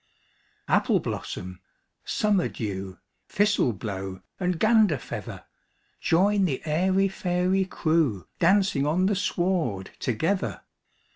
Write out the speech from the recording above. Appleblossom, Summerdew, Thistleblow, and Ganderfeather! Join the airy fairy crewDancing on the sward together!